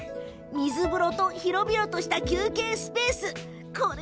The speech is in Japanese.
水風呂と広々とした休憩スペース。